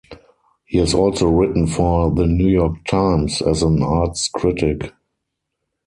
He has also written for "The New York Times" as an arts critic.